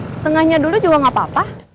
setengahnya dulu juga nggak apa apa